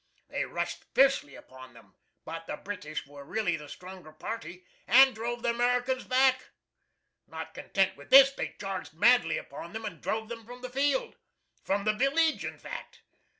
They rushed fiercely upon them, but the British were really the stronger party and drove the Americans back. Not content with this they charged madly upon them and drove them from the field from the village, in fact.